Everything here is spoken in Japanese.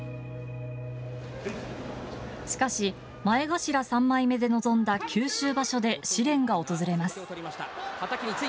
しかし前頭三枚目で臨んだ九州場所で試練が訪れます。